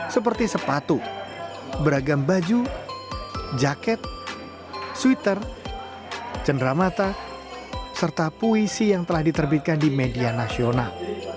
seperti sepatu beragam baju jaket sweater cenderamata serta puisi yang telah diterbitkan di media nasional